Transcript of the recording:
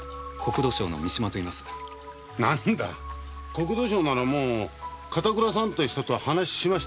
国土省ならもう片倉さんって人と話しました。